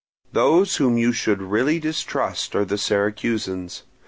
Those whom you should really distrust are the Syracusans.